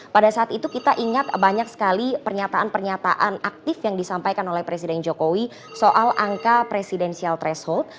pada saat itu kita ingat banyak sekali pernyataan pernyataan aktif yang disampaikan oleh presiden jokowi soal angka presidensial threshold